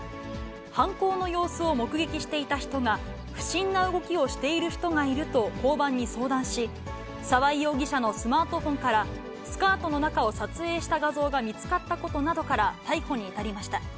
犯行の様子を目撃していた人が、不審な動きをしている人がいると、交番に相談し、沢井容疑者のスマートフォンからスカートの中を撮影した画像が見つかったことなどから、逮捕に至りました。